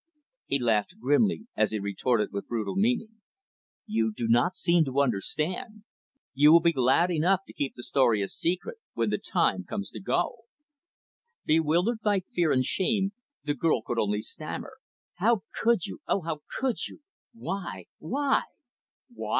He laughed grimly, as he retorted with brutal meaning, "You do not seem to understand. You will be glad enough to keep the story a secret when the time comes to go." Bewildered by fear and shame, the girl could only stammer, "How could you oh how could you! Why, why " "Why!"